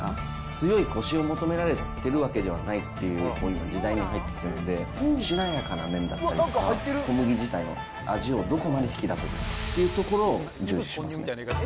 強いこしを求められてるわけではないっていう時代に入ってきてるんで、しなやかな麺だったりとか、小麦自体の味をどこまで引き出せるかというところを重視しますね